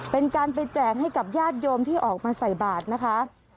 เป็นการไปแจกให้กับญาติโยมที่ออกมาใส่บาทนะคะ